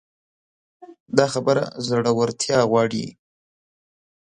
دا خبره زړورتيا غواړي.